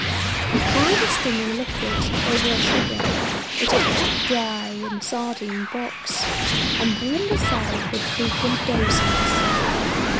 We poured the stinging liquid over our sugar, which had kept dry in a sardine box, and warmed ourselves with frequent doses.